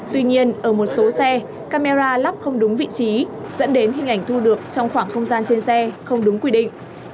tuy nhiên ở một số xe camera lắp không đúng vị trí dẫn đến hình ảnh thu được trong khoảng không gian trên xe không đúng quy định